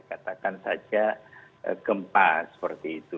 katakan saja gempa seperti itu